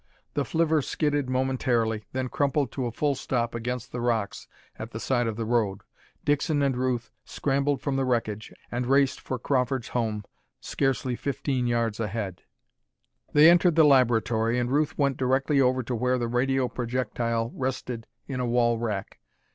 The flivver skidded momentarily, then crumpled to a full stop against the rocks at the side of the road. Dixon and Ruth scrambled from the wreckage and raced for Crawford's home, scarcely fifty yards ahead. They entered the laboratory and Ruth went directly over to where the radio projectile rested in a wall rack.